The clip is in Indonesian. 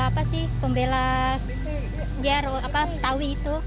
apa sih pembela tawi itu